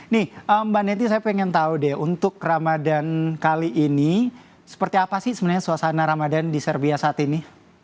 nih mbak neti saya pengen tahu deh untuk ramadan kali ini seperti apa sih sebenarnya suasana ramadan di serbia saat ini